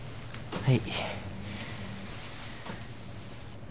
はい。